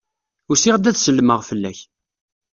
Usiɣ-d ad sellmeɣ fell-ak.